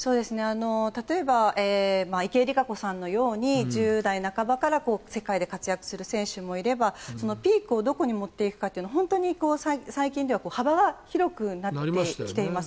例えば池江璃花子さんのように１０代半ばから世界で活躍する選手もいればピークをどこに持っていくかというのは本当に最近では幅広くなってきています。